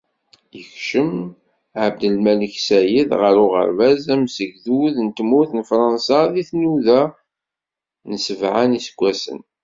Yekcem Ɛebdelmalek Sayad ɣer uɣerbaz amsegdud n tmurt n Fransa deg tnudda n sebεa n yiseggasen.